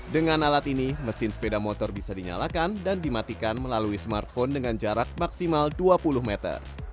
dengan alat ini mesin sepeda motor bisa dinyalakan dan dimatikan melalui smartphone dengan jarak maksimal dua puluh meter